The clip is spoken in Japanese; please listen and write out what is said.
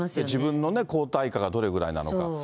自分の抗体価がどれぐらいなのか。